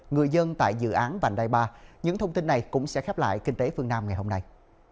người dân tại dự án vành đai ba những thông tin này cũng sẽ khép lại kinh tế phương nam ngày hôm nay